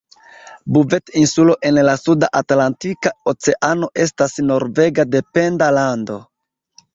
Buvet-Insulo en la suda Atlantika Oceano estas norvega dependa lando.